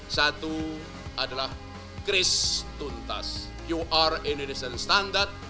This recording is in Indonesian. satu adalah kris tuntas qr indonesian standard